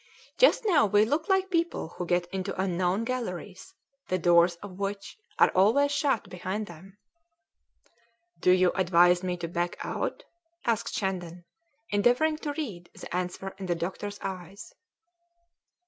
Just now we look like people who get into unknown galleries, the doors of which are always shut behind them." "Do you advise me to back out?" asked Shandon, endeavouring to read the answer in the doctor's eyes.